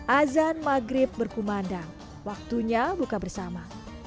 azan maghrib berkumandang waktunya buka bersama